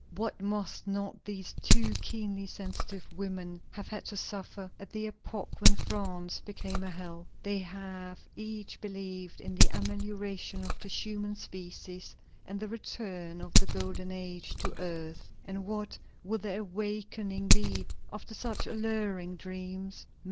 What must not these two keenly sensitive women have had to suffer at the epoch when France became a hell? They have each believed in the amelioration of the human species and the return of the golden age to earth, and what will their awakening be, after such alluring dreams?